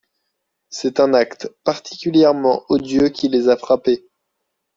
C’est un acte particulièrement odieux qui les a frappés.